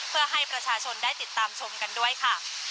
เพื่อให้ประชาชนได้ติดตามชมกันด้วยค่ะ